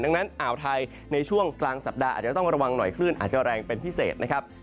ดังนั้นอ่าวไทยในช่วงกลางสัปดาห์อาจจะต้องระวังหน่อยคลื่นอาจจะแรงเป็นพิเศษนะครับ